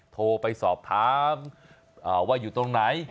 โทรไปสอบถามว่าอยู่ตรงไหน